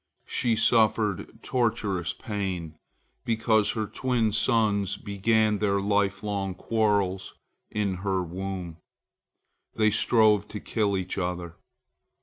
She suffered torturous pain, because her twin sons began their lifelong quarrels in her womb. They strove to kill each other.